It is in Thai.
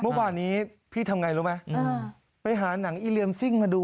พวกหวันนี้พี่ทำไงรู้มั้ยไปหาน่ะอีเลียมซิ่งมาดู